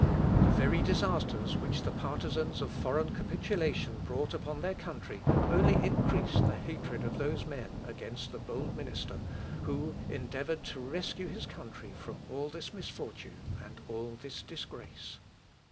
The very disasters which the partisans of foreign capitulation brought upon their country only increased the hatred of those men against the bold minister, who endeavoured to rescue his country from all this misfortune and all this disgrace.